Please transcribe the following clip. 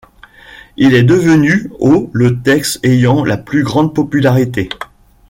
Il est devenu au le texte ayant la plus grande popularité.